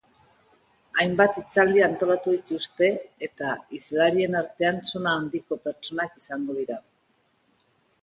Hainbat hitzaldi antolatu dituzte eta hizlarien artean sona handko pertsonak izango dira.